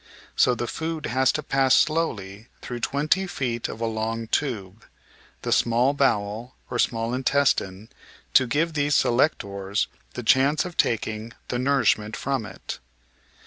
So the food has to pass slowly through twenty feet of a long tube, the small bowel or small intestine, to give these "selectors" the chance of taking the nourishment from it.